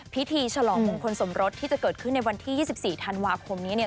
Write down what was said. ฉลองมงคลสมรสที่จะเกิดขึ้นในวันที่๒๔ธันวาคมนี้เนี่ย